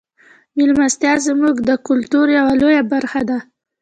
میلمستیا زموږ د کلتور یوه لویه برخه ده.